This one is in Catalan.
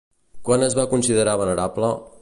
Quan es va considerar venerable?